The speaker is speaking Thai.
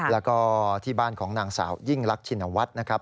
แล้วก็ที่บ้านของนางสาวยิ่งรักชินวัฒน์นะครับ